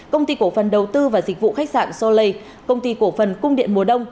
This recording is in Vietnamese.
công ty cổ phần đầu tư và dịch vụ khách sạn solei công ty cổ phần cung điện mùa đông